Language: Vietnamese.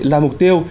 là mục tiêu